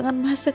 terima kasih bu